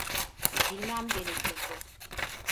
Bilmem gerekirdi.